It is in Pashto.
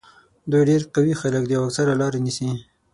دوی ډېر قوي خلک دي او اکثره لارې نیسي.